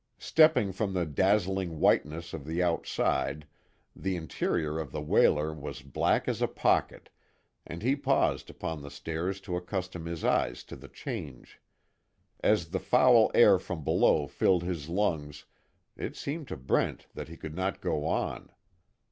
Stepping from the dazzling whiteness of the outside, the interior of the whaler was black as a pocket, and he paused upon the stairs to accustom his eyes to the change. As the foul air from below filled his lungs it seemed to Brent that he could not go on.